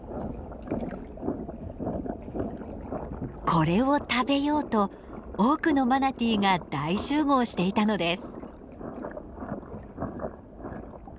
これを食べようと多くのマナティーが大集合していたのです。